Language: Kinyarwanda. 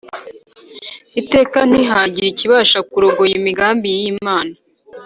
Iteka Ntihagira ikibasha kurogoya imigambi yimana